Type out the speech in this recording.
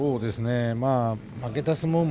負けた相撲も